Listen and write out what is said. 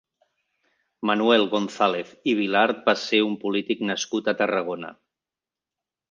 Manuel González i Vilart va ser un polític nascut a Tarragona.